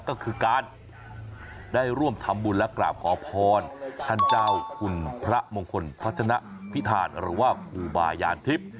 ก็คือการได้ร่วมทำบุญและกราบขอพรท่านเจ้าคุณพระมงคลพัฒนพิธานหรือว่าครูบายานทิพย์